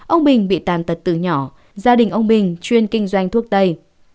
ông bình bị tàn tật từ nhỏ gia đình ông bình chuyên kinh doanh thuốc tây